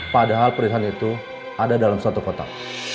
padahal perhiasan itu ada dalam satu kotak